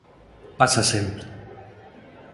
Pasa sempre.